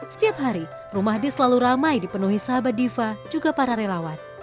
setiap hari rumah d selalu ramai dipenuhi sahabat diva juga para relawan